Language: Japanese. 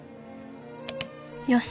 よし！